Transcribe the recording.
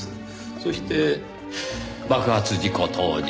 そして爆発事故当日。